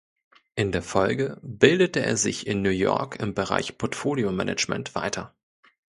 In der Folge bildete er sich in New York im Bereich Portfoliomanagement weiter.